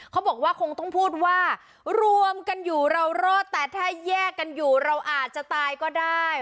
เขาบอกว่าคงต้องพูดว่ารวมกันอยู่เรารอดแต่ถ้าแยกกันอยู่เราอาจจะตายก็ได้